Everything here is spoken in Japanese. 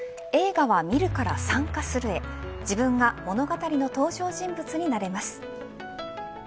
映画は見るから参加するへ自分が物語の登場人物になれます。